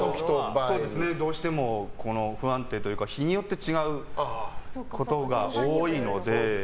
どうしても不安定というか日によって違うことが多いので。